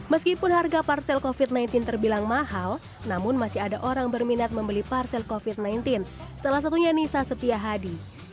meskipun harga parsel covid sembilan belas terbilang mahal namun masih ada orang berminat membeli parsel covid sembilan belas salah satunya nisa setia hadi